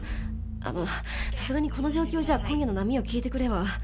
あのさすがにこの状況じゃ今夜の『波よ聞いてくれ』は。